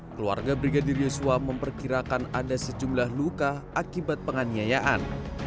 keluarga brigadir yosua memperkirakan ada sejumlah luka akibat penganiayaan